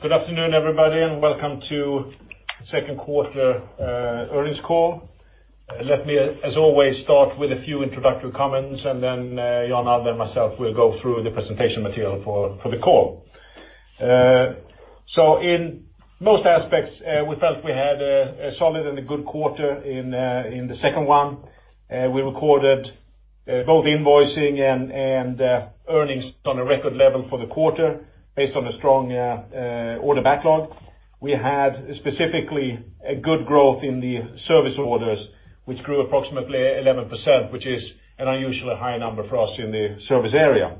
Good afternoon, everybody, and welcome to second quarter earnings call. Let me, as always, start with a few introductory comments, and then Jan Allde, and myself will go through the presentation material for the call. In most aspects, we felt we had a solid and a good quarter in the second one. We recorded both invoicing and earnings on a record level for the quarter based on a strong order backlog. We had specifically a good growth in the service orders, which grew approximately 11%, which is an unusually high number for us in the service area.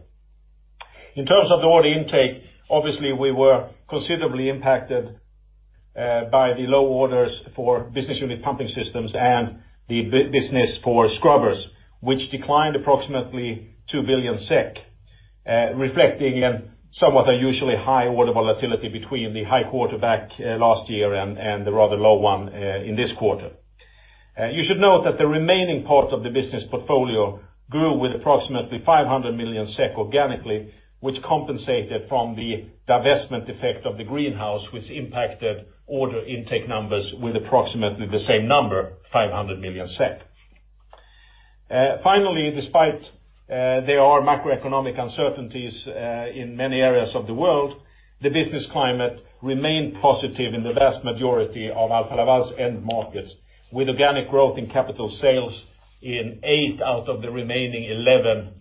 In terms of the order intake, obviously, we were considerably impacted by the low orders for business unit pumping systems and the business for scrubbers, which declined approximately 2 billion SEK, reflecting somewhat unusually high order volatility between the high quarter back last year and the rather low one in this quarter. You should note that the remaining part of the business portfolio grew with approximately 500 million SEK organically, which compensated from the divestment effect of the Greenhouse, which impacted order intake numbers with approximately the same number, 500 million SEK. Finally, despite there are macroeconomic uncertainties in many areas of the world, the business climate remained positive in the vast majority of Alfa Laval's end markets, with organic growth in capital sales in eight out of the remaining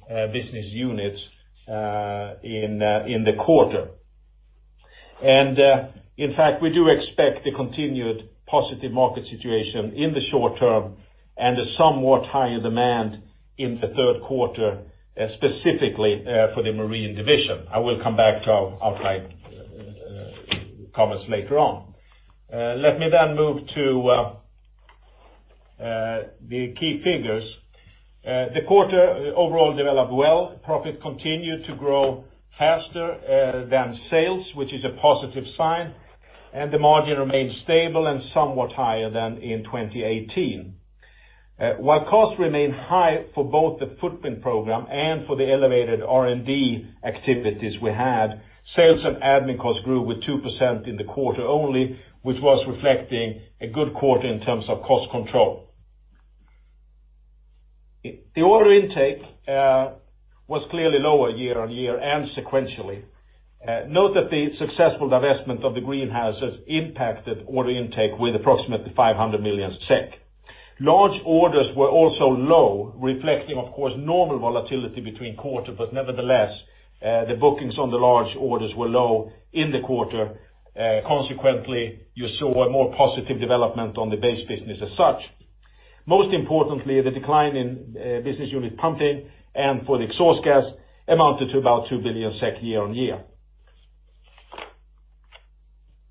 11 business units in the quarter. In fact, we do expect a continued positive market situation in the short term and a somewhat higher demand in the third quarter, specifically, for the Marine division. I will come back to outside comments later on. Let me move to the key figures. The quarter overall developed well. Profit continued to grow faster than sales, which is a positive sign. The margin remained stable and somewhat higher than in 2018. While costs remain high for both the footprint program and for the elevated R&D activities we had, sales and admin costs grew with 2% in the quarter only, which was reflecting a good quarter in terms of cost control. The order intake was clearly lower year-on-year and sequentially. Note that the successful divestment of the Greenhouse impacted order intake with approximately 500 million SEK. Large orders were also low, reflecting, of course, normal volatility between quarters. Nevertheless, the bookings on the large orders were low in the quarter. Consequently, you saw a more positive development on the base business as such. Most importantly, the decline in business unit pumping and for the exhaust gas amounted to about 2 billion SEK year-on-year.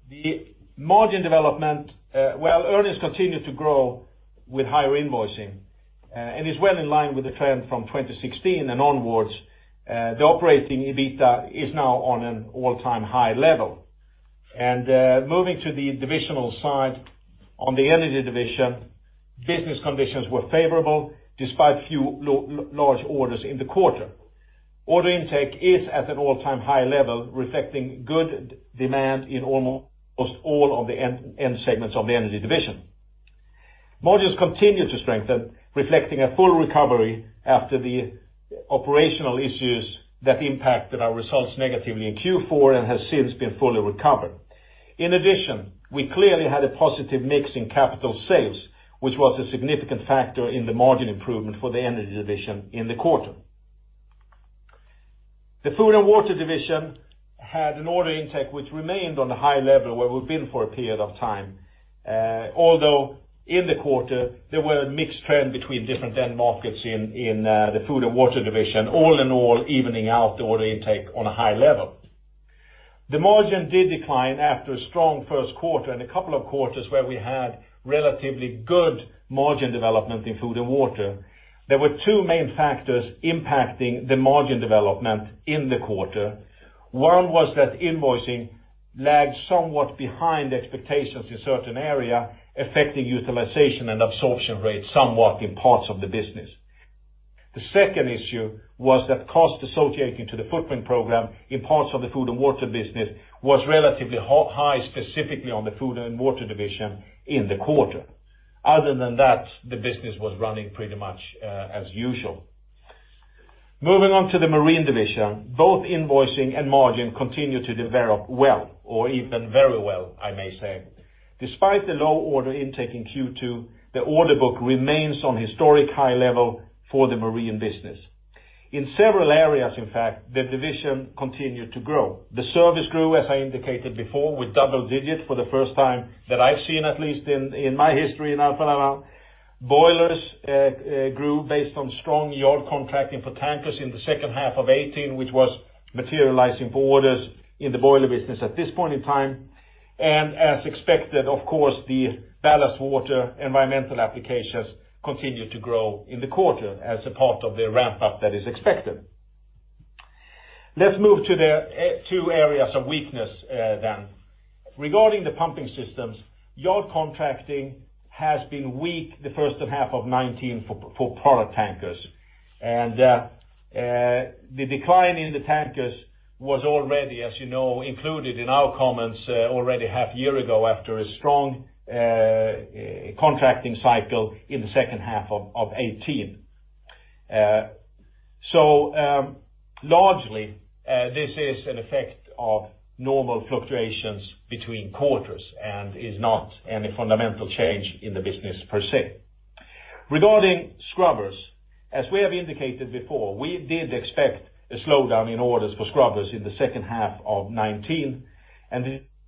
The margin development, while earnings continued to grow with higher invoicing and is well in line with the trend from 2016 and onwards, the operating EBITA is now on an all-time high level. Moving to the divisional side, on the Energy division, business conditions were favorable despite few large orders in the quarter. Order intake is at an all-time high level, reflecting good demand in almost all of the end segments of the Energy division. Margins continued to strengthen, reflecting a full recovery after the operational issues that impacted our results negatively in Q4 and has since been fully recovered. In addition, we clearly had a positive mix in capital sales, which was a significant factor in the margin improvement for the Energy division in the quarter. The Food & Water division had an order intake which remained on a high level where we've been for a period of time, although in the quarter there were mixed trend between different end markets in the Food & Water division, all in all, evening out the order intake on a high level. The margin did decline after a strong first quarter and a couple of quarters where we had relatively good margin development in Food & Water. There were two main factors impacting the margin development in the quarter. One was that invoicing lagged somewhat behind expectations in certain area, affecting utilization and absorption rates somewhat in parts of the business. The second issue was that costs associated to the footprint program in parts of the Food & Water business was relatively high, specifically on the Food & Water division in the quarter. Other than that, the business was running pretty much as usual. Moving on to the Marine division, both invoicing and margin continue to develop well, or even very well, I may say. Despite the low order intake in Q2, the order book remains on historic high level for the Marine business. In several areas, in fact, the division continued to grow. The service grew, as I indicated before, with double digits for the first time that I've seen, at least in my history in Alfa Laval. Boilers grew based on strong yard contracting for tankers in the second half of 2018, which was materializing for orders in the boiler business at this point in time. As expected, of course, the ballast water environmental applications continued to grow in the quarter as a part of the ramp-up that is expected. Let's move to the two areas of weakness then. Regarding the pumping systems, yard contracting has been weak the first half of 2019 for product tankers. The decline in the tankers was already, as you know, included in our comments already half year ago, after a strong contracting cycle in the second half of 2018. Largely, this is an effect of normal fluctuations between quarters and is not any fundamental change in the business per se. Regarding scrubbers, as we have indicated before, we did expect a slowdown in orders for scrubbers in the second half of 2019, and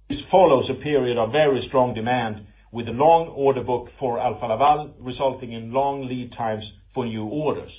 this follows a period of very strong demand with a long order book for Alfa Laval, resulting in long lead times for new orders.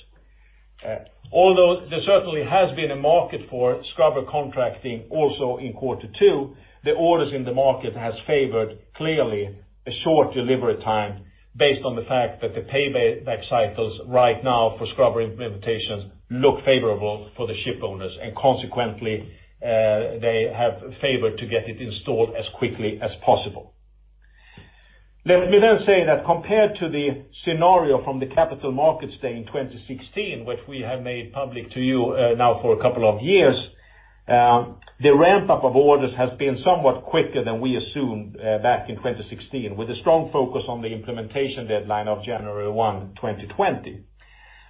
Although there certainly has been a market for scrubber contracting also in quarter two, the orders in the market has favored clearly a short delivery time based on the fact that the payback cycles right now for scrubber implementations look favorable for the ship owners, and consequently, they have favored to get it installed as quickly as possible. Let me then say that compared to the scenario from the Capital Markets Day in 2016, which we have made public to you now for a couple of years, the ramp-up of orders has been somewhat quicker than we assumed back in 2016, with a strong focus on the implementation deadline of January 1, 2020.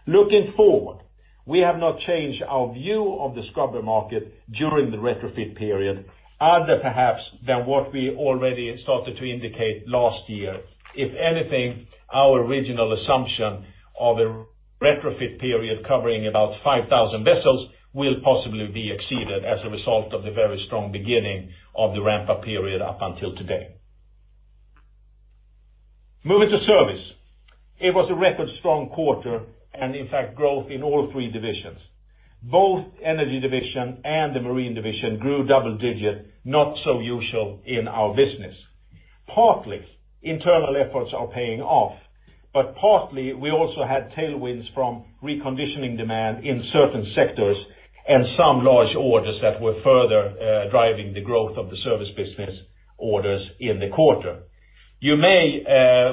Looking forward, we have not changed our view of the scrubber market during the retrofit period, other perhaps than what we already started to indicate last year. If anything, our original assumption of a retrofit period covering about 5,000 vessels will possibly be exceeded as a result of the very strong beginning of the ramp-up period up until today. Moving to service, it was a record strong quarter and in fact growth in all three divisions. Both Energy division and the Marine division grew double-digit, not so usual in our business. Partly, internal efforts are paying off, but partly, we also had tailwinds from reconditioning demand in certain sectors and some large orders that were further driving the growth of the service business orders in the quarter. You may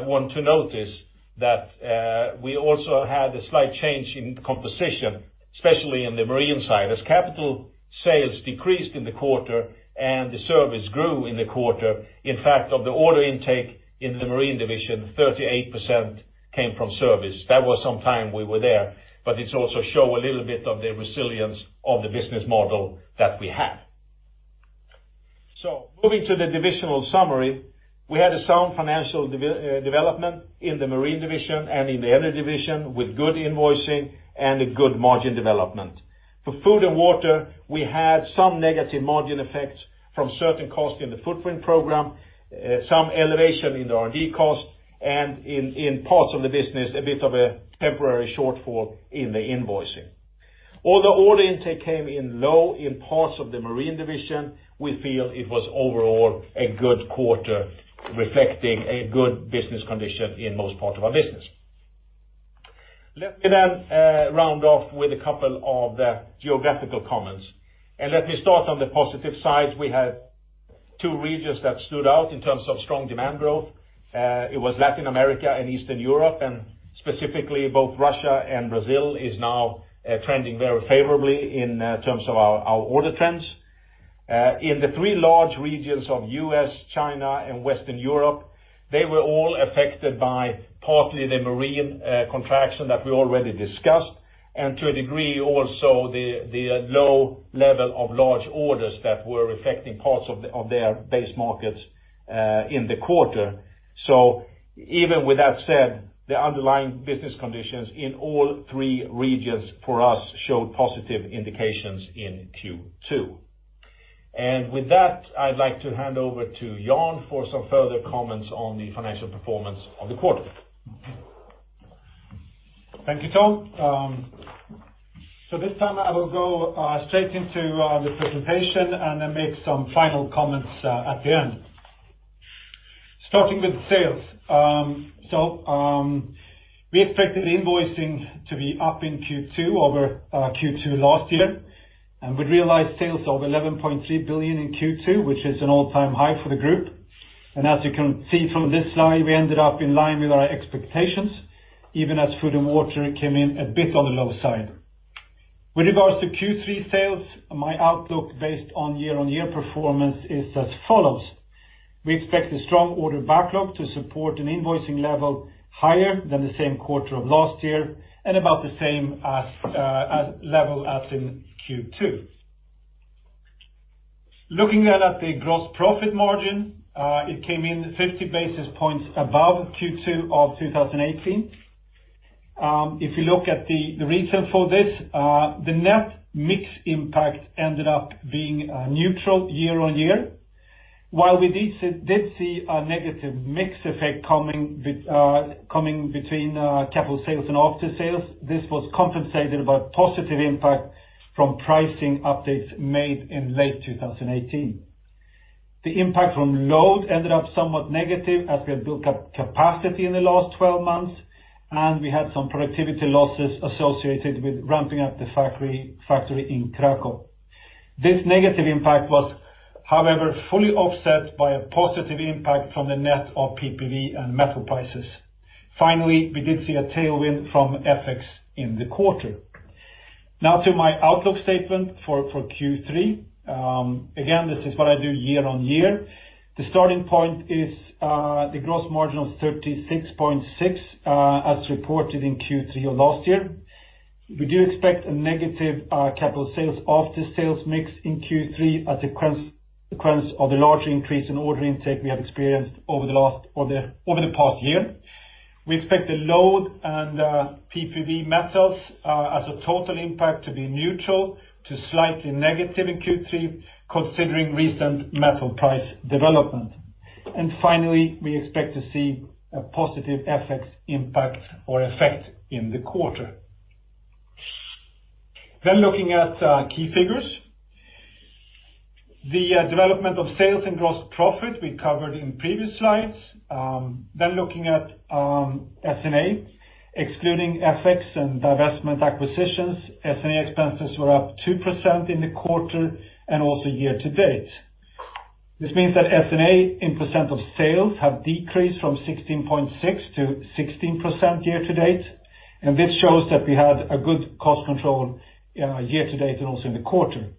want to notice that we also had a slight change in composition, especially in the Marine side, as capital sales decreased in the quarter and the service grew in the quarter. In fact, of the order intake in the Marine division, 38% came from service. That was some time we were there, but it also show a little bit of the resilience of the business model that we have. Moving to the divisional summary, we had a sound financial development in the Marine division and in the Energy division with good invoicing and a good margin development. For Food & Water, we had some negative margin effects from certain costs in the footprint program, some elevation in the R&D cost, and in parts of the business, a bit of a temporary shortfall in the invoicing. Although order intake came in low in parts of the Marine division, we feel it was overall a good quarter, reflecting a good business condition in most parts of our business. Let me round off with a couple of geographical comments, let me start on the positive side. We had two regions that stood out in terms of strong demand growth. It was Latin America and Eastern Europe, specifically both Russia and Brazil is now trending very favorably in terms of our order trends. In the three large regions of U.S., China, and Western Europe, they were all affected by partly the Marine contraction that we already discussed, and to a degree, also the low level of large orders that were affecting parts of their base markets in the quarter. Even with that said, the underlying business conditions in all three regions for us showed positive indications in Q2. With that, I'd like to hand over to Jan for some further comments on the financial performance of the quarter. Thank you, Tom. This time, I will go straight into the presentation and make some final comments at the end. Starting with sales. We expected invoicing to be up in Q2 over Q2 last year, and we realized sales of 11.3 billion in Q2, which is an all-time high for the group. As you can see from this slide, we ended up in line with our expectations, even as Food & Water came in a bit on the low side. With regards to Q3 sales, my outlook based on year-on-year performance is as follows: We expect a strong order backlog to support an invoicing level higher than the same quarter of last year and about the same as, level as in Q2. Looking at the gross profit margin, it came in 50 basis points above Q2 of 2018. If you look at the reason for this, the net mix impact ended up being neutral year-on-year. While we did see a negative mix effect coming between capital sales and aftersales, this was compensated by positive impact from pricing updates made in late 2018. The impact from load ended up somewhat negative as we have built up capacity in the last 12 months. We had some productivity losses associated with ramping up the factory in Krakow. This negative impact was, however, fully offset by a positive impact from the net of PPV and metal prices. Finally, we did see a tailwind from FX in the quarter. To my outlook statement for Q3. This is what I do year-on-year. The starting point is the gross margin of 36.6%, as reported in Q3 of last year. We do expect a negative capital sales after sales mix in Q3 as a consequence of the large increase in order intake we have experienced over the past year. We expect the load and PPV metals as a total impact to be neutral to slightly negative in Q3, considering recent metal price development. Finally, we expect to see a positive FX impact or effect in the quarter. Then, looking at key figures. The development of sales and gross profit we covered in previous slides. Then, looking at S&A, excluding FX and divestment acquisitions, S&A expenses were up 2% in the quarter and also year-to-date. This means that S&A in percent of sales have decreased from 16.6% to 16% year-to-date. This shows that we had a good cost control year-to-date and also in the quarter.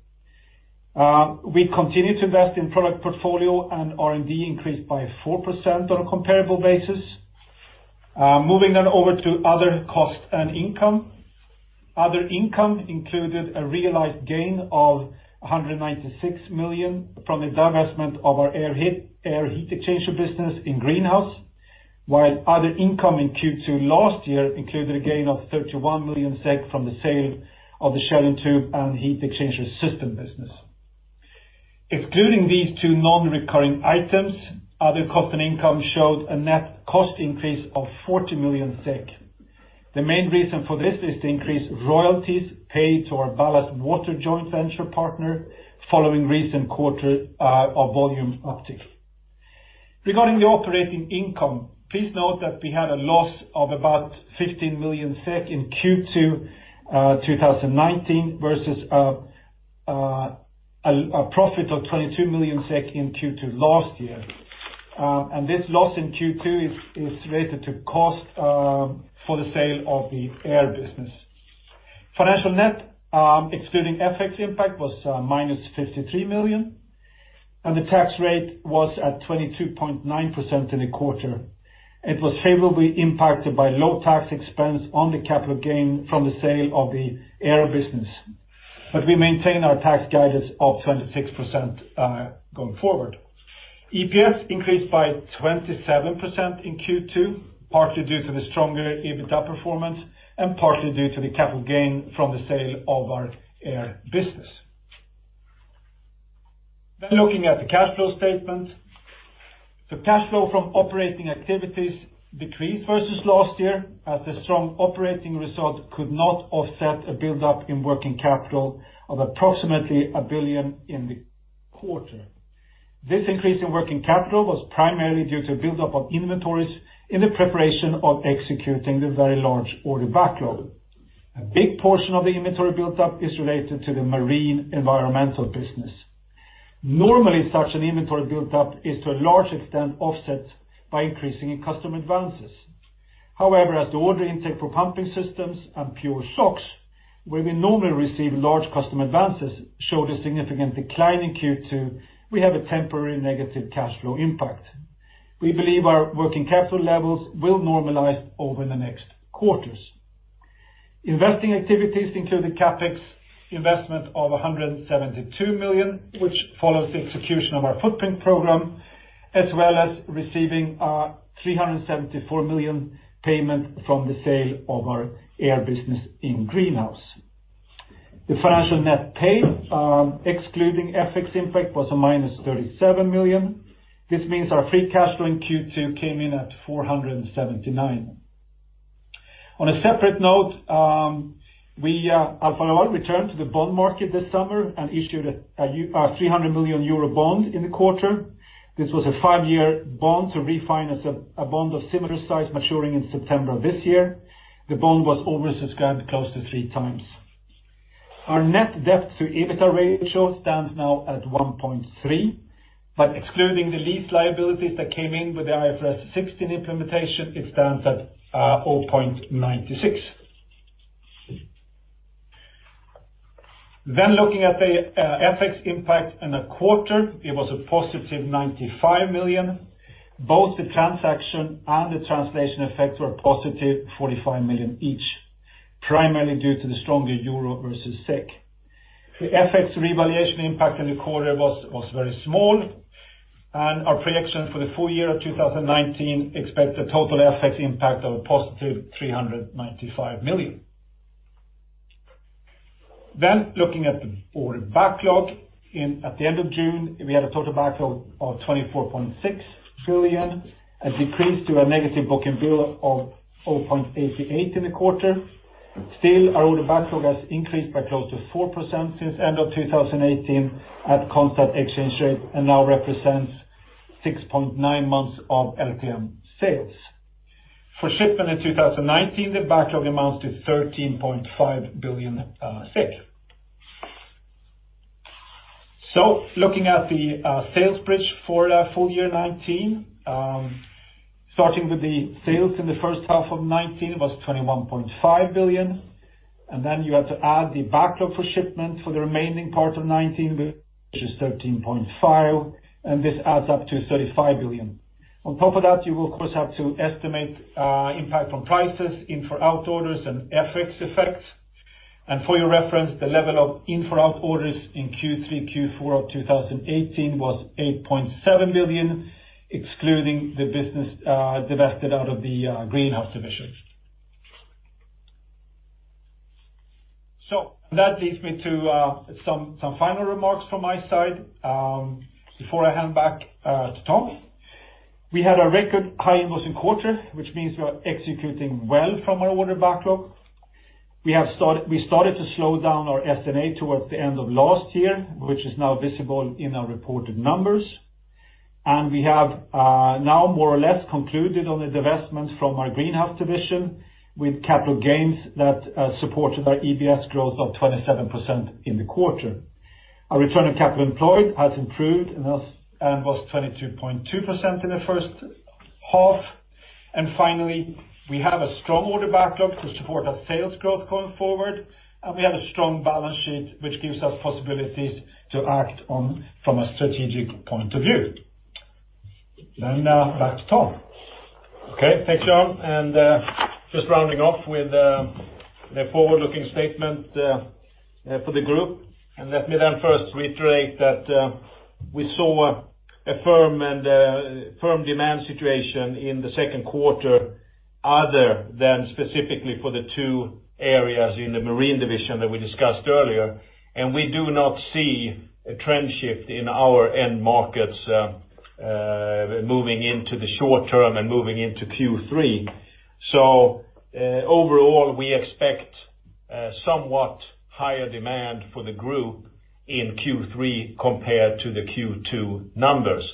We continue to invest in product portfolio. R&D increased by 4% on a comparable basis. Moving over to other cost and income. Other income included a realized gain of 196 million from the divestment of our air heat exchanger business in Greenhouse. While other income in Q2 last year included a gain of 31 million SEK from the sale of the shell-and-tube heat exchanger system business. Excluding these two non-recurring items, other cost and income showed a net cost increase of 40 million SEK. The main reason for this is the increased royalties paid to our ballast water joint venture partner following recent quarter of volume uptick. Regarding the operating income, please note that we had a loss of about 15 million SEK in Q2 2019 versus a profit of 22 million SEK in Q2 last year. This loss in Q2 is related to cost for the sale of the air business. Financial net, excluding FX impact, was -53 million. The tax rate was at 22.9% in the quarter. It was favorably impacted by low tax expense on the capital gain from the sale of the air business. We maintain our tax guidance of 26% going forward. EPS increased by 27% in Q2, partly due to the stronger EBITDA performance and partly due to the capital gain from the sale of our air business. Then, looking at the cash flow statement. The cash flow from operating activities decreased versus last year, as the strong operating result could not offset a buildup in working capital of approximately 1 billion in the quarter. This increase in working capital was primarily due to a buildup of inventories in the preparation of executing the very large order backlog. A big portion of the inventory buildup is related to the marine environmental business. Normally, such an inventory buildup is to a large extent offset by increasing in customer advances. However, as the order intake for pumping systems and PureSOx, where we normally receive large customer advances, showed a significant decline in Q2, we have a temporary negative cash flow impact. We believe our working capital levels will normalize over the next quarters. Investing activities included CapEx investment of 172 million, which follows the execution of our footprint program, as well as receiving a 374 million payment from the sale of our air business in Greenhouse. The financial net pay, excluding FX impact, was a -37 million. This means our free cash flow in Q2 came in at 479 million. On a separate note, Alfa Laval returned to the bond market this summer and issued a 300 million euro bond in the quarter. This was a five-year bond to refinance a bond of similar size maturing in September of this year. The bond was oversubscribed close to 3x. Our net debt to EBITDA ratio stands now at 1.3, but excluding the lease liabilities that came in with the IFRS 16 implementation, it stands at 0.96. Looking at the FX impact in the quarter, it was a +95 million. Both the transaction and the translation effects were a +45 million each, primarily due to the stronger euro versus SEK. The FX revaluation impact in the quarter was very small. Our projection for the full year of 2019 expects a total FX impact of a +395 million. Then, looking at the order backlog, at the end of June, we had a total backlog of 24.6 billion, a decrease to a negative book-and-bill of 0.88 in the quarter. Still, our order backlog has increased by close to 4% since end of 2018 at constant exchange rate and now represents 6.9 months of LTM sales. For shipment in 2019, the backlog amounts to 13.5 billion. Looking at the sales bridge for full year 2019, starting with the sales in the first half of 2019 was 21.5 billion. You had to add the backlog for shipment for the remaining part of 2019, which is 13.5 billion, and this adds up to 35 billion. On top of that, you will of course have to estimate impact from prices, in-for-out orders, and FX effects. For your reference, the level of in-for-out orders in Q3, Q4 of 2018 was 8.7 billion, excluding the business divested out of the Greenhouse division. That leads me to some final remarks from my side before I hand back to Tom. We had a record high invoicing quarter, which means we are executing well from our order backlog. We started to slow down our S&A towards the end of last year, which is now visible in our reported numbers. We have now more or less concluded on the divestments from our Greenhouse division with capital gains that supported our EPS growth of 27% in the quarter. Our return on capital employed has improved and was 22.2% in the first half. Finally, we have a strong order backlog to support our sales growth going forward, and we have a strong balance sheet, which gives us possibilities to act from a strategic point of view. Back to Tom. Okay. Thanks, Jan. Just rounding off with the forward-looking statement for the group, let me then first reiterate that we saw a firm demand situation in the second quarter other than specifically for the two areas in the Marine Division that we discussed earlier. We do not see a trend shift in our end markets moving into the short term and moving into Q3. Overall, we expect somewhat higher demand for the group in Q3 compared to the Q2 numbers.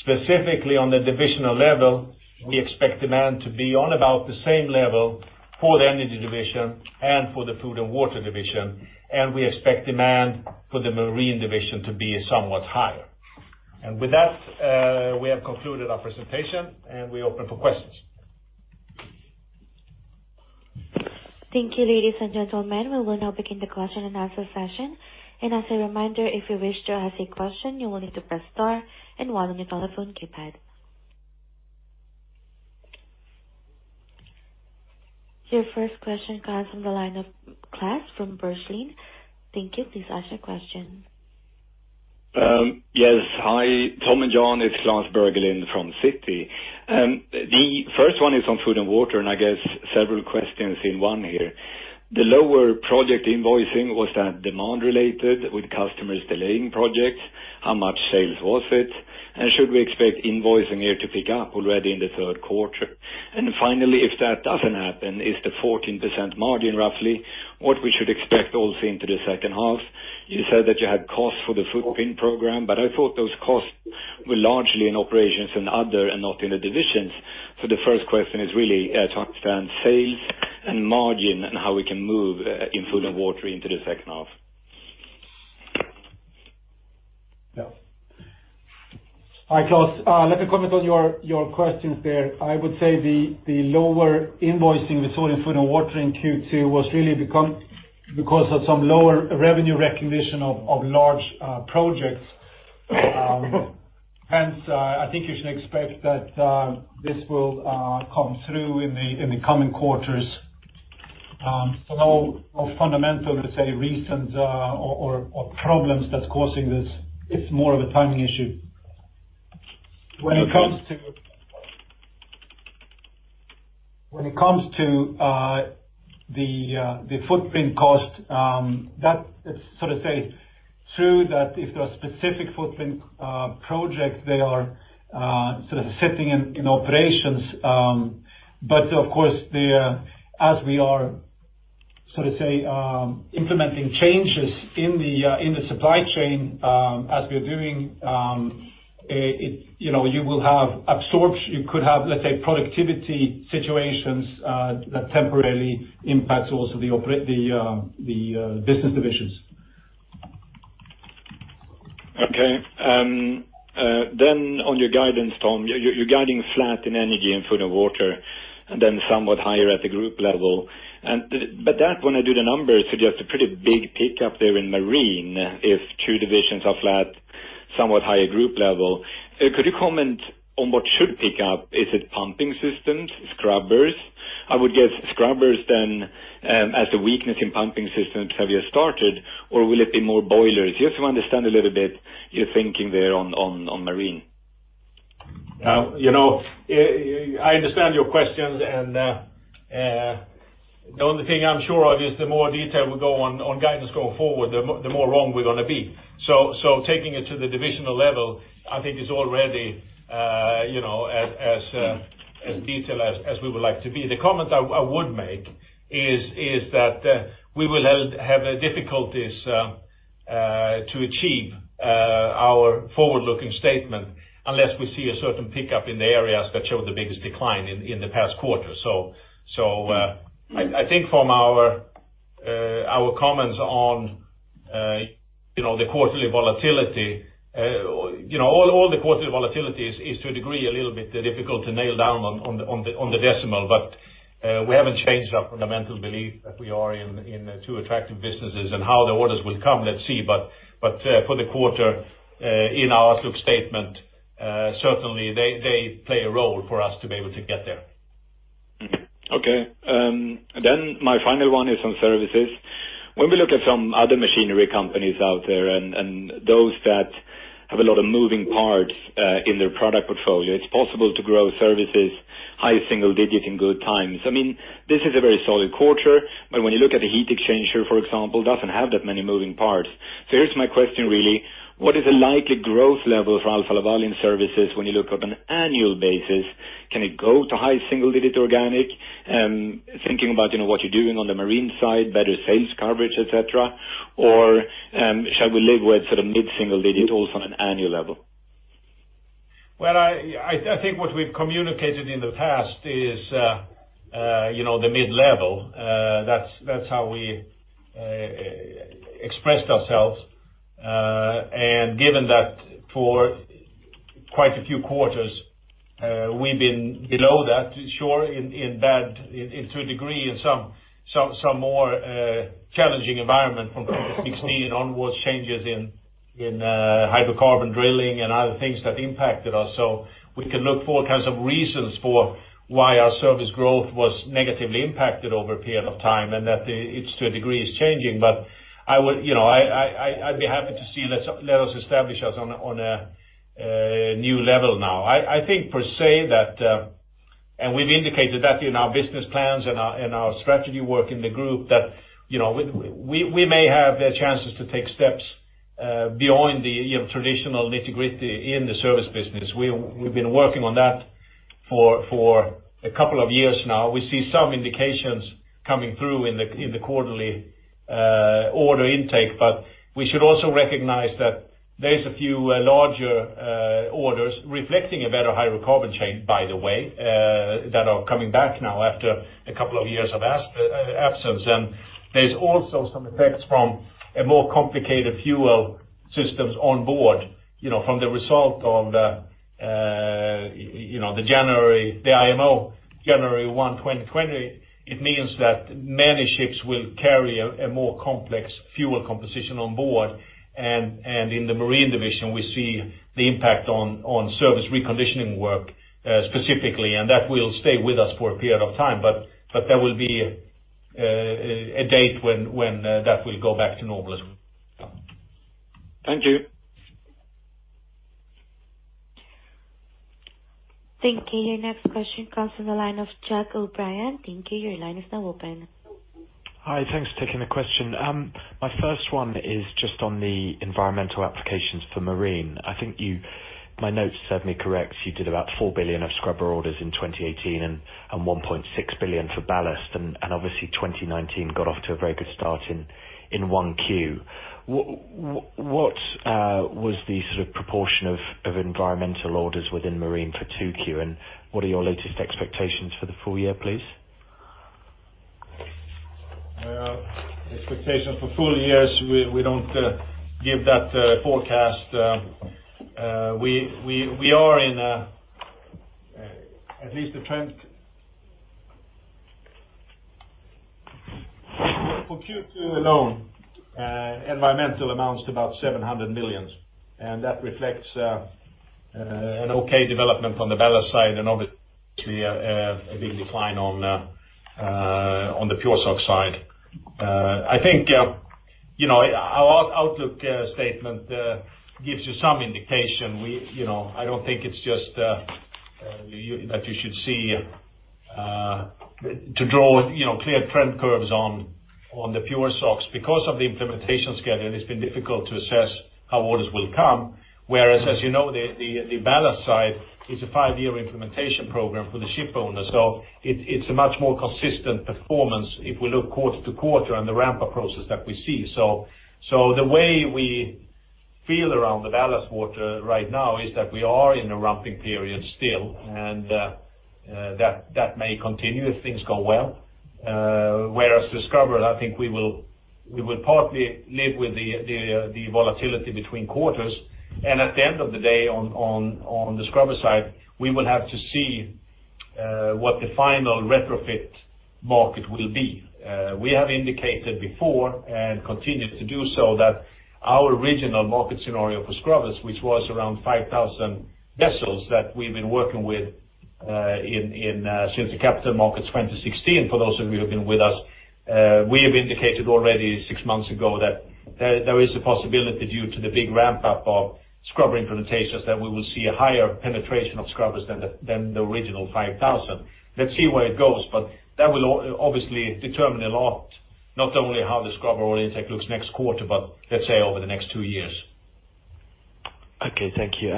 Specifically on the divisional level, we expect demand to be on about the same level for the Energy division and for the Food & Water division, and we expect demand for the Marine division to be somewhat higher. With that, we have concluded our presentation, we open for questions. Thank you, ladies and gentlemen. We will now begin the question and answer session. As a reminder, if you wish to ask a question, you will need to press star and one on your telephone keypad. Your first question comes from the line of Klas Bergelind. Thank you. Please ask your question. Yes. Hi, Tom and Jan, it's Klas Bergelind from Citi. The first one is on Food & Water, I guess several questions in one here. The lower project invoicing, was that demand related with customers delaying projects? How much sales was it? Should we expect invoicing here to pick up already in the third quarter? Finally, if that doesn't happen, is the 14% margin roughly what we should expect also into the second half? You said that you had costs for the footprint program, but I thought those costs were largely in operations and other and not in the divisions. The first question is really talk to sales and margin and how we can move in Food & Water into the second half. Hi, Klas. Let me comment on your questions there. I would say the lower invoicing we saw in Food & Water in Q2 was really because of some lower revenue recognition of large projects. Hence, I think you should expect that this will come through in the coming quarters. No fundamental, let's say, reasons or problems that's causing this. It's more of a timing issue. When it comes to the footprint cost, that is sort of true that if there are specific footprint projects, they are sitting in operations. Of course, as we are implementing changes in the supply chain as we are doing, you could have, let's say, productivity situations that temporarily impacts also the business divisions. On your guidance, Tom, you're guiding flat in Energy and Food & Water, and somewhat higher at the group level. That, when I do the numbers, suggests a pretty big pickup there in Marine if two divisions are flat, somewhat higher group level. Could you comment on what should pick up? Is it pumping systems, scrubbers? I would guess scrubbers as the weakness in pumping systems. Have you started or will it be more boilers? Just to understand a little bit your thinking there on Marine. I understand your questions. The only thing I'm sure of is the more detail we go on guidance going forward, the more wrong we're going to be. Taking it to the divisional level, I think it's already as detailed as we would like to be. The comment I would make is that we will have difficulties to achieve our forward-looking statement unless we see a certain pickup in the areas that showed the biggest decline in the past quarter. I think from our comments on the quarterly volatility, all the quarterly volatility is to a degree a little bit difficult to nail down on the decimal. We haven't changed our fundamental belief that we are in two attractive businesses and how the orders will come. Let's see. For the quarter, in our outlook statement, certainly they play a role for us to be able to get there. My final one is on services. When we look at some other machinery companies out there and those that have a lot of moving parts in their product portfolio, it's possible to grow services high single-digit in good times. This is a very solid quarter. When you look at the heat exchanger, for example, it doesn't have that many moving parts. Here's my question, really. What is the likely growth level for Alfa Laval in services when you look up an annual basis? Can it go to high single-digit organic? Thinking about what you're doing on the Marine side, better sales coverage, et cetera, or shall we live with sort of mid-single-digits also on an annual level? Well, I think what we've communicated in the past is the mid-level. That's how we expressed ourselves. Given that for quite a few quarters, we've been below that, sure, to a degree, in some more challenging environment from 2016 onwards, changes in hydrocarbon drilling and other things that impacted us. We can look for all kinds of reasons for why our service growth was negatively impacted over a period of time, and that it to a degree is changing. I'd be happy to see, let us establish us on a new level now. I think per se that, and we've indicated that in our business plans and our strategy work in the group, that we may have the chances to take steps beyond the traditional nitty-gritty in the service business. We've been working on that for a couple of years now. We see some indications coming through in the quarterly order intake. We should also recognize that there's a few larger orders reflecting a better hydrocarbon chain, by the way, that are coming back now after a couple of years of absence. There's also some effects from a more complicated fuel systems on board, from the result of the IMO January 1, 2020. It means that many ships will carry a more complex fuel composition on board. In the Marine Division, we see the impact on service reconditioning work specifically, and that will stay with us for a period of time. There will be a date when that will go back to normal as well. Thank you. Thank you. Your next question comes from the line of Jack O'Brien. Thank you. Your line is now open. Hi. Thanks for taking the question. My first one is just on the environmental applications for Marine. I think, my notes serve me correct, you did about 4 billion of scrubber orders in 2018 and 1.6 billion for ballast, and obviously 2019 got off to a very good start in 1Q. What was the sort of proportion of environmental orders within Marine for 2Q, and what are your latest expectations for the full year, please? Expectation for full years, we don't give that forecast. For Q2 alone, environmental amounts to about 700 million. That reflects an okay development from the ballast side and obviously a big decline on the PureSOx side. I think our outlook statement gives you some indication. I don't think it's just that you should draw clear trend curves on the PureSOx. Because of the implementation schedule, it's been difficult to assess how orders will come, whereas as you know, the ballast side is a five-year implementation program for the ship owner. It's a much more consistent performance if we look quarter to quarter and the ramp-up process that we see. The way we feel around the ballast water right now is that we are in a ramping period still, and that may continue if things go well. Whereas the scrubber, I think we will partly live with the volatility between quarters. At the end of the day on the scrubber side, we will have to see what the final retrofit market will be. We have indicated before and continue to do so that our original market scenario for scrubbers, which was around 5,000 vessels that we've been working with since the Capital Markets Day 2016, for those of you who have been with us, we have indicated already six months ago that there is a possibility due to the big ramp-up of scrubber implementations that we will see a higher penetration of scrubbers than the original 5,000. Let's see where it goes, that will obviously determine a lot, not only how the scrubber order intake looks next quarter, but let's say over the next two years. Okay, thank you.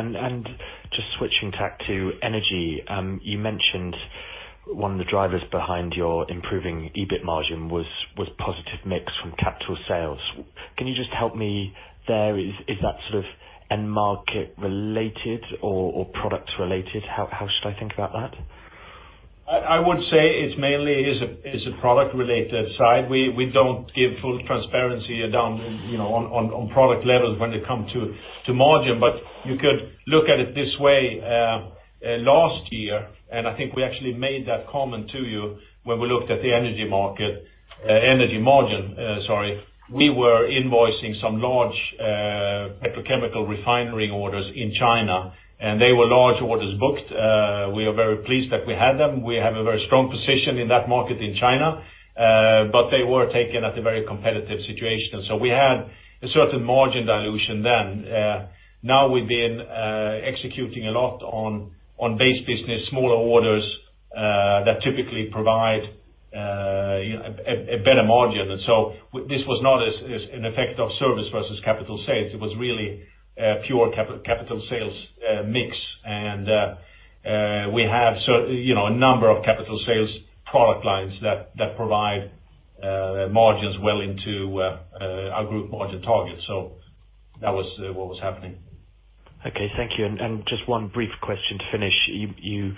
Just switching tack to Energy, you mentioned one of the drivers behind your improving EBIT margin was positive mix from capital sales. Can you just help me there? Is that sort of end market related or product related? How should I think about that? I would say it's mainly a product-related side. We don't give full transparency down on product levels when they come to margin, but you could look at it this way. Last year, I think we actually made that comment to you when we looked at the energy margin, we were invoicing some large petrochemical refinery orders in China, and they were large orders booked. We are very pleased that we had them. We have a very strong position in that market in China, but they were taken at a very competitive situation. We had a certain margin dilution then. Now we've been executing a lot on base business, smaller orders that typically provide a better margin. This was not as an effect of service versus capital sales. It was really a pure capital sales mix. We have a number of capital sales product lines that provide margins well into our group margin target. That was what was happening. Okay, thank you. Just one brief question to finish. You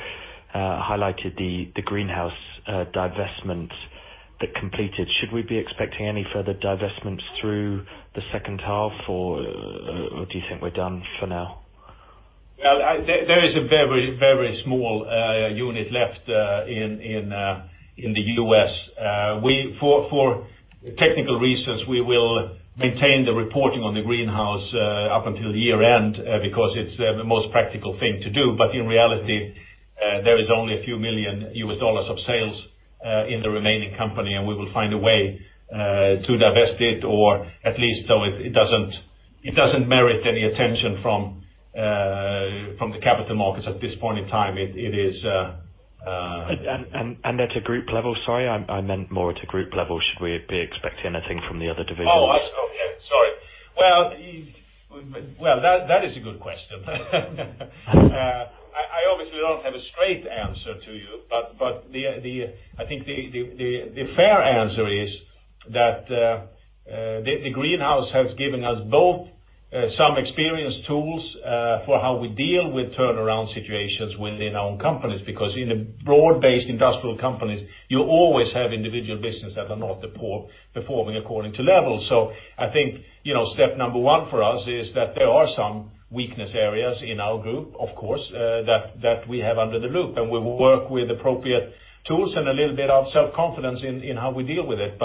highlighted the Greenhouse divestment that completed. Should we be expecting any further divestments through the second half, or do you think we're done for now? There is a very small unit left in the U.S. For technical reasons, we will maintain the reporting on the Greenhouse up until year-end because it is the most practical thing to do. In reality, there is only a few million U.S. dollars of sales in the remaining company, and we will find a way to divest it, or at least so it does not merit any attention from the capital markets at this point in time. At a group level, sorry, I meant more at a group level. Should we be expecting anything from the other divisions? Okay. Sorry. That is a good question. I obviously do not have a straight answer to you, but I think the fair answer is that the Greenhouse has given us both some experience tools for how we deal with turnaround situations within our own companies, because in broad-based industrial companies, you always have individual business that are not performing according to level. I think step number one for us is that there are some weakness areas in our group, of course, that we have under the loop, and we work with appropriate tools and a little bit of self-confidence in how we deal with it.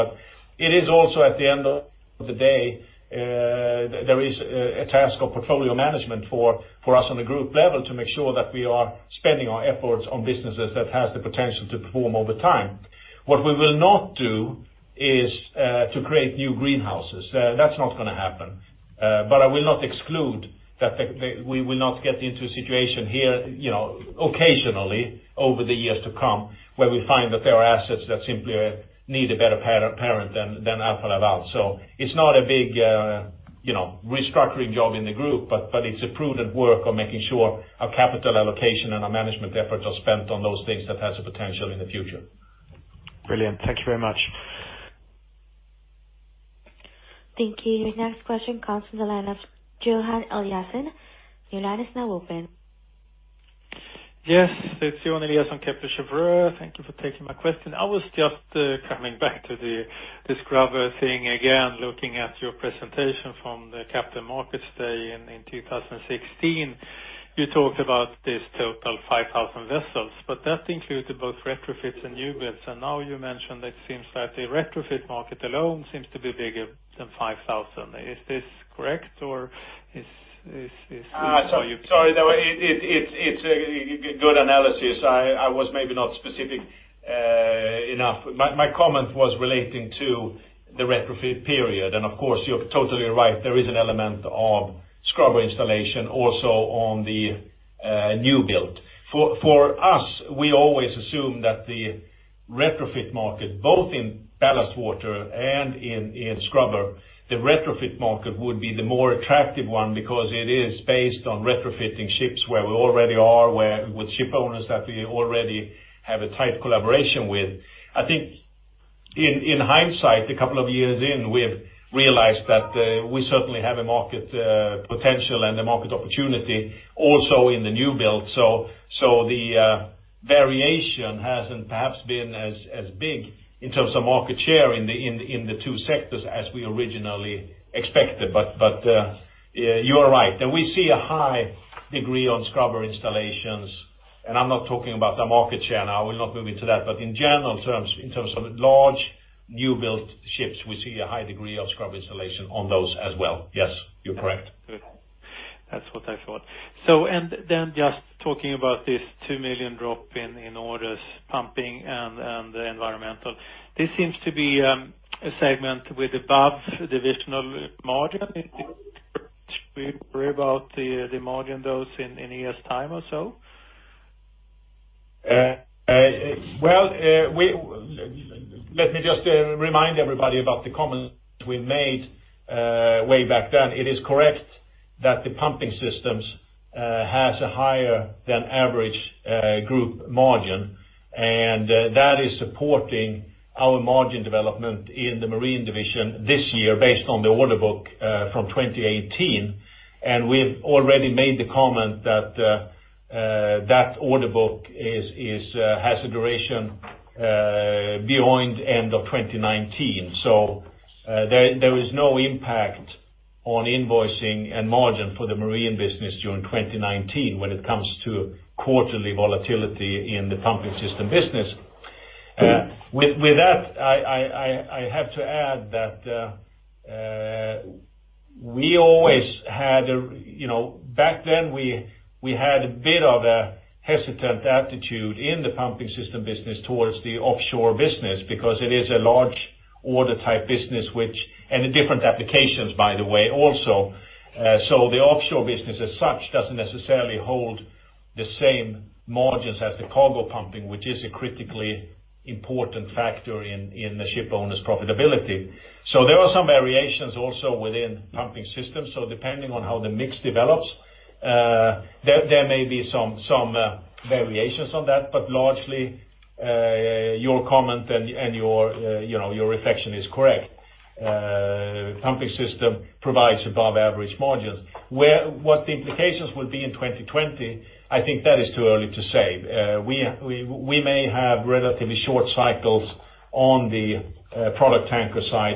It is also at the end of the day, there is a task of portfolio management for us on a group level to make sure that we are spending our efforts on businesses that have the potential to perform over time. What we will not do is to create new Greenhouses. That is not going to happen. I will not exclude that we will not get into a situation here occasionally over the years to come, where we find that there are assets that simply need a better parent than Alfa Laval. It is not a big restructuring job in the group, but it is a prudent work on making sure our capital allocation and our management efforts are spent on those things that have the potential in the future. Brilliant. Thank you very much. Thank you. Next question comes from the line of Johan Eliason. Your line is now open. Yes, it's Johan Eliason, Kepler Cheuvreux. Thank you for taking my question. I was just coming back to the scrubber again, looking at your presentation from the Capital Markets Day in 2016. You talked about this total 5,000 vessels, but that included both retrofits and new builds. Now you mentioned it seems that the retrofit market alone seems to be bigger than 5,000. Is this correct? Sorry, it's a good analysis. I was maybe not specific enough. My comment was relating to the retrofit period. Of course, you're totally right. There is an element of scrubber installation also on the new build. For us, we always assume that the retrofit market, both in ballast water and in scrubber, the retrofit market would be the more attractive one because it is based on retrofitting ships where we already are with ship owners that we already have a tight collaboration with. I think in hindsight, a couple of years in, we have realized that we certainly have a market potential and a market opportunity also in the new build. The variation hasn't perhaps been as big in terms of market share in the two sectors as we originally expected. You are right. We see a high degree on scrubber installations, I'm not talking about the market share now. I will not move into that. In general terms, in terms of large new-build ships, we see a high degree of scrubber installation on those as well. Yes, you're correct. Good. That's what I thought. Just talking about this 2 billion drop in orders pumping and the environmental, this seems to be a segment with above divisional margin. Should we worry about the margin those in a year's time or so? Let me just remind everybody about the comments we made way back then. It is correct that the pumping systems has a higher than average group margin, that is supporting our margin development in the Marine division this year based on the order book from 2018. We've already made the comment that order book has a duration beyond end of 2019. There is no impact on invoicing and margin for the Marine business during 2019 when it comes to quarterly volatility in the pumping system business. With that, I have to add that, back then, we had a bit of a hesitant attitude in the pumping system business towards the offshore business because it is a large order type business, and different applications, by the way, also. The offshore business as such doesn't necessarily hold the same margins as the cargo pumping, which is a critically important factor in the ship owner's profitability. There are some variations also within pumping systems. Depending on how the mix develops, there may be some variations on that. Largely, your comment and your reflection is correct. Pumping system provides above average margins. What the implications will be in 2020, I think that is too early to say. We may have relatively short cycles on the product tanker side.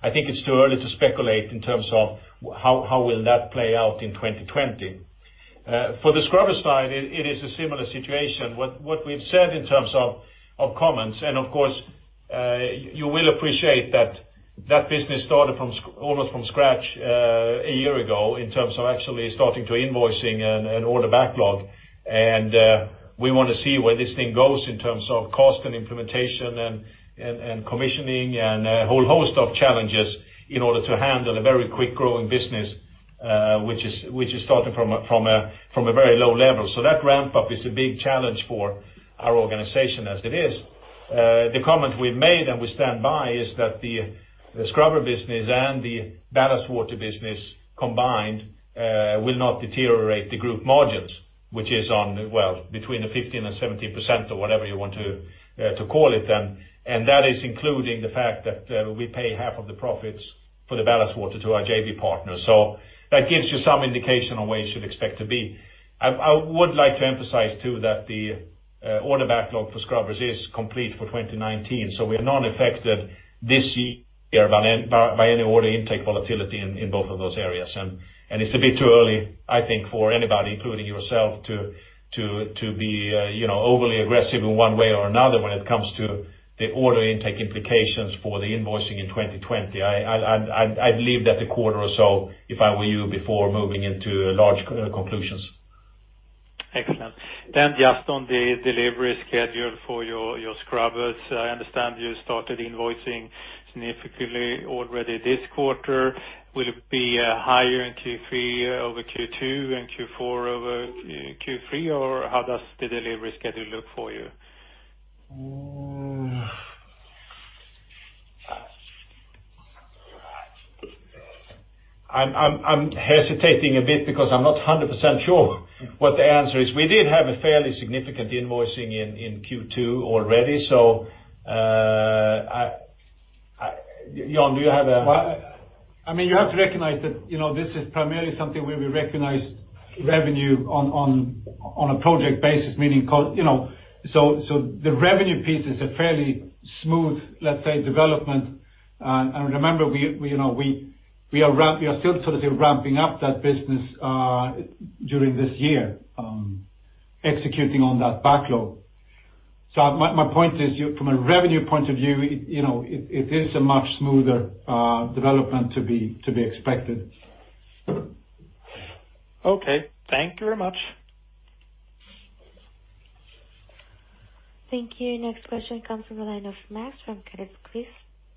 I think it's too early to speculate in terms of how will that play out in 2020. For the scrubber side, it is a similar situation what we've said in terms of comments. Of course, you will appreciate that that business started almost from scratch a year ago in terms of actually starting to invoicing and order backlog. We want to see where this thing goes in terms of cost and implementation and commissioning and a whole host of challenges in order to handle a very quick growing business, which is starting from a very low level. That ramp-up is a big challenge for our organization as it is. The comment we've made and we stand by is that the scrubber business and the ballast water business combined, will not deteriorate the group margins, which is on, well, between the 15%-17% or whatever you want to call it then. That is including the fact that we pay half of the profits for the ballast water to our JV partners. That gives you some indication on where you should expect to be. I would like to emphasize too that the order backlog for scrubbers is complete for 2019. We are non-affected this year by any order intake volatility in both of those areas. It's a bit too early, I think, for anybody, including yourself, to be overly aggressive in one way or another when it comes to the order intake implications for the invoicing in 2020. I'd leave that a quarter or so, if I were you, before moving into large conclusions. Excellent. Just on the delivery schedule for your scrubbers. I understand you started invoicing significantly already this quarter. Will it be higher in Q3 over Q2 and Q4 over Q3, or how does the delivery schedule look for you? I'm hesitating a bit because I'm not 100% sure what the answer is. We did have a fairly significant invoicing in Q2 already. Jan, do you have a- You have to recognize that this is primarily something where we recognize revenue on a project basis. The revenue piece is a fairly smooth, let's say, development. Remember, we are still sort of ramping up that business during this year, executing on that backlog. My point is, from a revenue point of view, it is a much smoother development to be expected. Okay. Thank you very much. Thank you. Next question comes from the line of Max from Credit Suisse.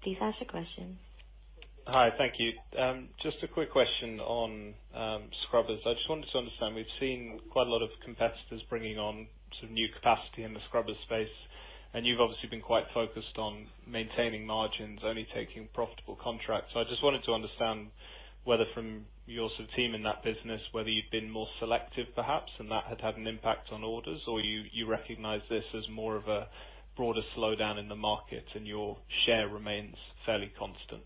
Please ask your question. Hi. Thank you. Just a quick question on scrubbers. I just wanted to understand, we've seen quite a lot of competitors bringing on some new capacity in the scrubber space. You've obviously been quite focused on maintaining margins, only taking profitable contracts. I just wanted to understand whether from your sort of team in that business, whether you've been more selective perhaps, and that had an impact on orders, or you recognize this as more of a broader slowdown in the market and your share remains fairly constant.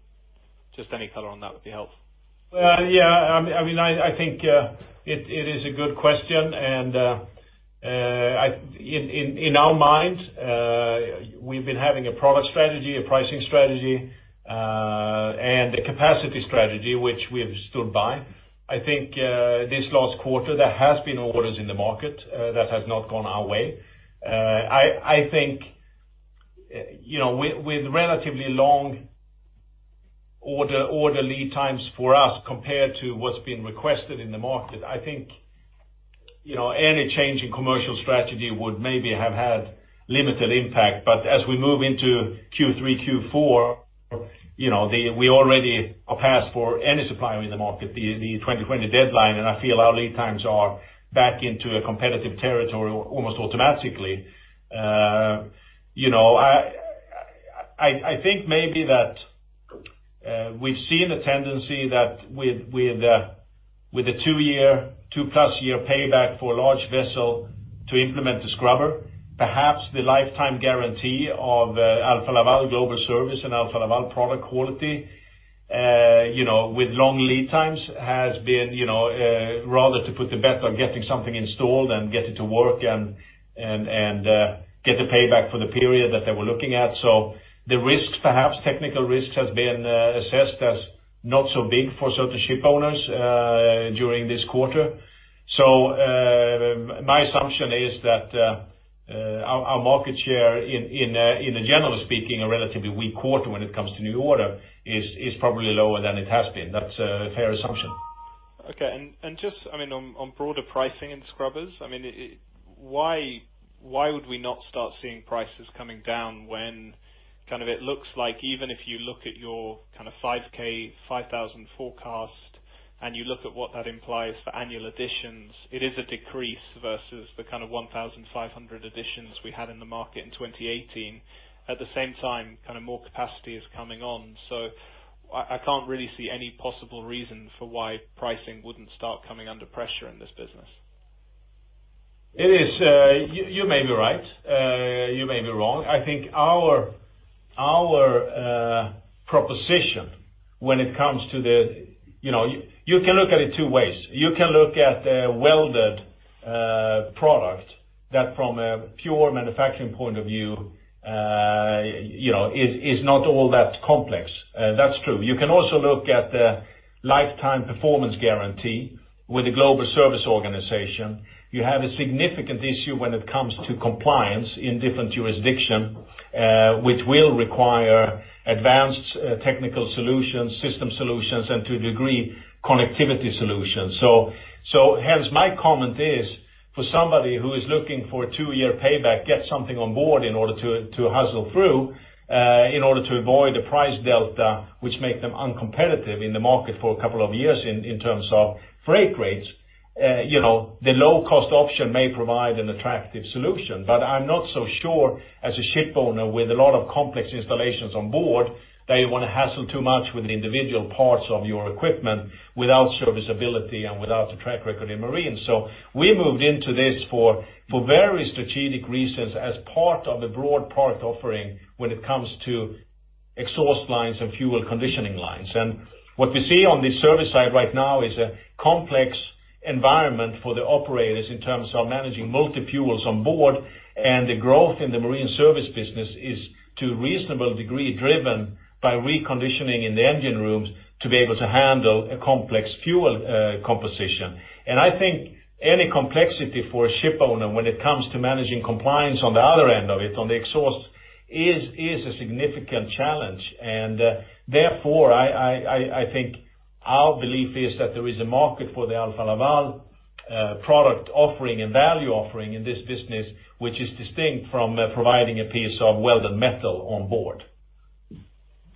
Just any color on that would be helpful. Yeah. I think it is a good question. In our mind, we've been having a product strategy, a pricing strategy, and a capacity strategy which we have stood by. I think this last quarter, there has been orders in the market that has not gone our way. I think with relatively long order lead times for us compared to what's been requested in the market, I think any change in commercial strategy would maybe have had limited impact. As we move into Q3, Q4, we already are past for any supplier in the market, the 2020 deadline, and I feel our lead times are back into a competitive territory almost automatically. I think maybe that we've seen a tendency that with a 2+ year payback for a large vessel to implement the scrubber, perhaps the lifetime guarantee of Alfa Laval Global Service and Alfa Laval product quality with long lead times has been, rather to put the bet on getting something installed and get it to work and get the payback for the period that they were looking at. The risks, perhaps technical risks, has been assessed as not so big for certain ship owners during this quarter. My assumption is that our market share in a general speaking, a relatively weak quarter when it comes to new order is probably lower than it has been. That's a fair assumption. Okay. Just on broader pricing in scrubbers, why would we not start seeing prices coming down when it looks like even if you look at your 5,000 forecast, and you look at what that implies for annual additions, it is a decrease versus the 1,500 additions we had in the market in 2018. At the same time, more capacity is coming on. I can't really see any possible reason for why pricing wouldn't start coming under pressure in this business. You may be right. You may be wrong. I think our proposition when it comes to You can look at it two ways. You can look at welded product, that from a pure manufacturing point of view is not all that complex. That's true. You can also look at the lifetime performance guarantee with the global service organization. You have a significant issue when it comes to compliance in different jurisdiction, which will require advanced technical solutions, system solutions, and to a degree, connectivity solutions. Hence my comment is, for somebody who is looking for a two-year payback, get something on board in order to hustle through, in order to avoid a price delta, which make them uncompetitive in the market for a couple of years in terms of freight rates. The low-cost option may provide an attractive solution. I'm not so sure as a ship owner with a lot of complex installations on board that you want to hassle too much with individual parts of your equipment without serviceability and without a track record in Marine. We moved into this for very strategic reasons as part of the broad part offering when it comes to exhaust lines and fuel conditioning lines. What we see on the service side right now is a complex environment for the operators in terms of managing multi-fuels on board, and the growth in the Marine service business is to a reasonable degree driven by reconditioning in the engine rooms to be able to handle a complex fuel composition. I think any complexity for a ship owner when it comes to managing compliance on the other end of it, on the exhaust, is a significant challenge. Therefore, I think our belief is that there is a market for the Alfa Laval product offering and value offering in this business, which is distinct from providing a piece of welded metal on board.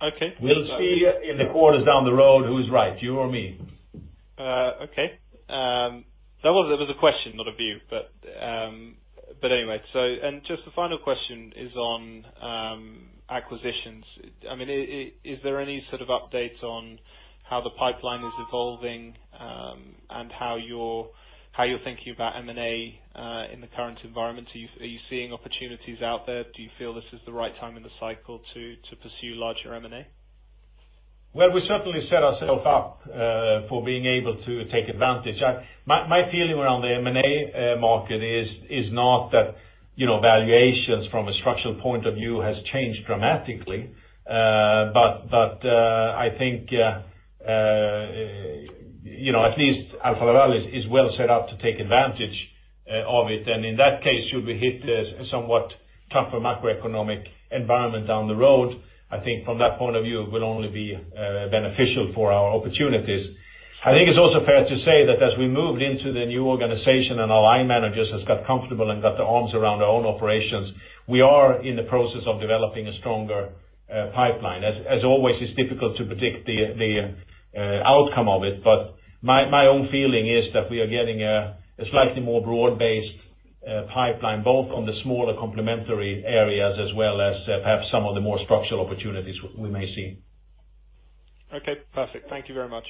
Okay. We'll see in the quarters down the road who's right, you or me. Okay. That was a question, not a view. Anyway. Just the final question is on acquisitions. Is there any sort of update on how the pipeline is evolving, and how you're thinking about M&A in the current environment? Are you seeing opportunities out there? Do you feel this is the right time in the cycle to pursue larger M&A? Well, we certainly set ourself up for being able to take advantage. My feeling around the M&A market is not that valuations from a structural point of view has changed dramatically. I think at least Alfa Laval is well set up to take advantage of it. In that case, should we hit a somewhat tougher macroeconomic environment down the road, I think from that point of view, it will only be beneficial for our opportunities. I think it's also fair to say that as we moved into the new organization and our line managers has got comfortable and got their arms around their own operations, we are in the process of developing a stronger pipeline. As always, it's difficult to predict the outcome of it, but my own feeling is that we are getting a slightly more broad-based pipeline, both on the smaller complementary areas as well as perhaps some of the more structural opportunities we may see. Okay, perfect. Thank you very much.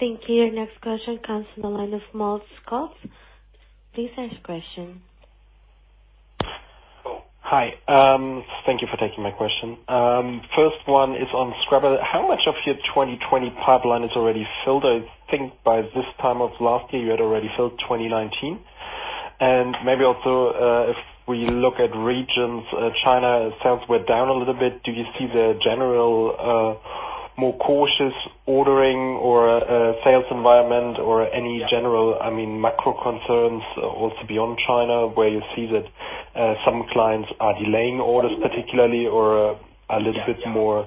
Thank you. Your next question comes from the line of Matt Scott. Please ask question. Hi. Thank you for taking my question. First one is on scrubbers. How much of your 2020 pipeline is already filled? I think by this time of last year, you had already filled 2019. Maybe also, if we look at regions, China sales were down a little bit. Do you see the general more cautious ordering or sales environment or any general macro concerns also beyond China, where you see that some clients are delaying orders particularly, or a little bit more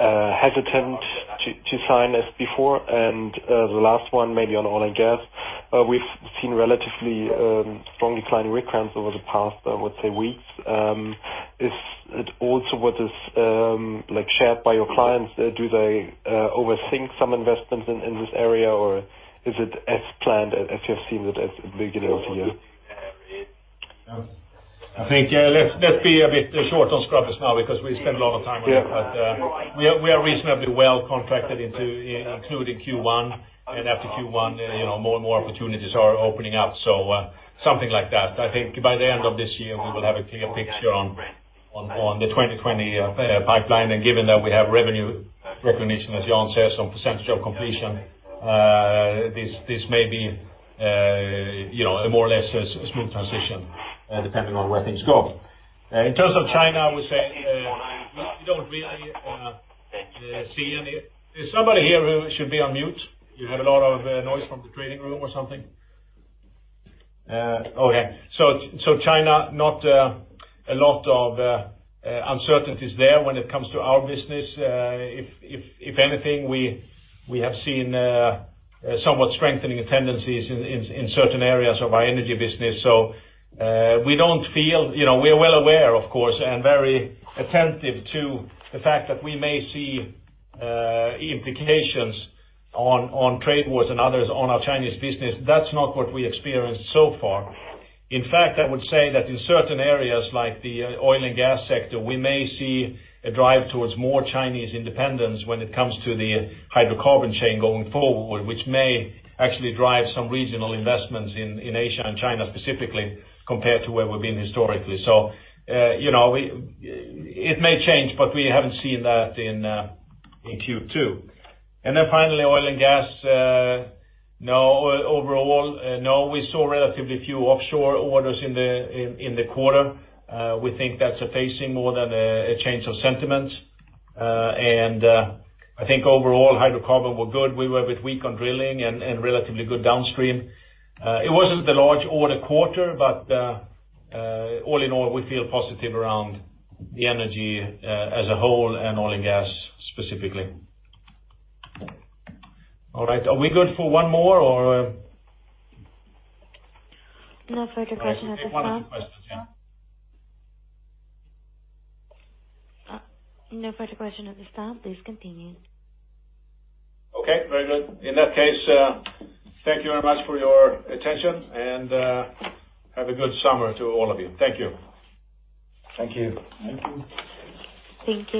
hesitant to sign as before. The last one, maybe on oil and gas. We've seen relatively strong declining rig counts over the past, I would say, weeks. Is it also what is shared by your clients? Do they overthink some investments in this area, or is it as planned as you have seen it at the beginning of the year? I think, let's be a bit short on scrubbers now because we spent a lot of time on that. We are reasonably well contracted including Q1. After Q1, more and more opportunities are opening up. Something like that. I think by the end of this year, we will have a clear picture on the 2020 pipeline, and given that we have revenue recognition, as Jan says, on percentage of completion, this may be a more or less a smooth transition, depending on where things go. In terms of China, I would say, we don't really see any... There's somebody here who should be on mute. You have a lot of noise from the trading room or something. Okay. China, not a lot of uncertainties there when it comes to our business. If anything, we have seen somewhat strengthening tendencies in certain areas of our Energy business. We are well aware, of course, and very attentive to the fact that we may see implications on trade wars and others on our Chinese business. That's not what we experienced so far. In fact, I would say that in certain areas like the oil and gas sector, we may see a drive towards more Chinese independence when it comes to the hydrocarbon chain going forward, which may actually drive some regional investments in Asia and China specifically, compared to where we've been historically. It may change, but we haven't seen that in Q2. Finally, oil and gas. No, overall, no, we saw relatively few offshore orders in the quarter. We think that's a phasing more than a change of sentiments. I think overall, hydrocarbon were good. We were a bit weak on drilling and relatively good downstream. It wasn't a large order quarter, but all in all, we feel positive around the Energy as a whole and oil and gas specifically. All right. Are we good for one more or-? No further questions at this time. One or two questions, yeah. No further questions at this time. Please continue. Okay, very good. In that case, thank you very much for your attention, and have a good summer to all of you. Thank you. Thank you. Thank you.